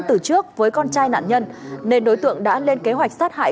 từ trước với con trai nạn nhân nên đối tượng đã lên kế hoạch sát hại